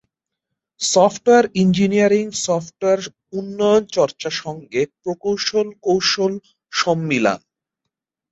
Software engineering software উন্নয়ন চর্চা সঙ্গে প্রকৌশল কৌশল সম্মিলান।